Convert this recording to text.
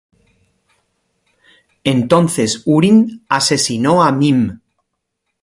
Entonces Hurin asesinó a Mim.